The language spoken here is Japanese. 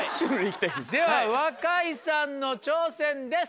では若井さんの挑戦です。